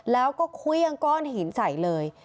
แล้วก็คุยกับก้อนหินใสเลย